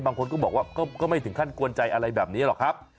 บางคนก็บอกว่าก็ไม่ถึงขั้นกวนใจอะไรแบบนี้หรอกครับ